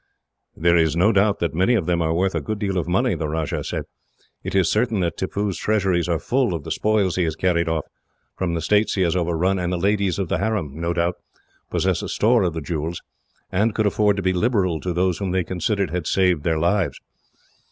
"There is no doubt that many of them are worth a good deal of money," the Rajah said. "It is certain that Tippoo's treasuries are full of the spoils he has carried off, from the states he has overrun, and the ladies of the harem, no doubt, possess a store of the jewels, and could afford to be liberal to those whom they considered had saved their lives.